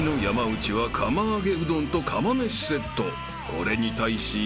［これに対し］